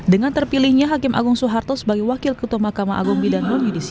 dengan terpilihnya hakim agung soeharto sebagai wakil ketua makam agung bidang